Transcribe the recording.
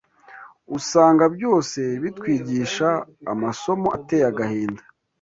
usanga byose bitwigisha amasomo ateye agahinda